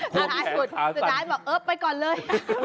โอ้โหสุดท้ายบอกเออไปก่อนเลย